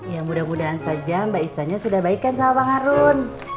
ya mudah mudahan saja mbak isanya sudah baik kan sama bang harun